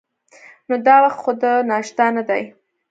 نو دا وخت خو د ناشتا نه دی.